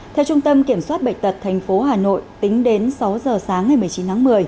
theo trung tâm kiểm soát bệnh tật tp hà nội tính đến sáu giờ sáng ngày một mươi chín tháng một mươi